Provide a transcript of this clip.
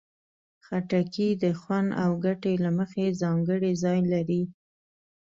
خټکی د خوند او ګټې له مخې ځانګړی ځای لري.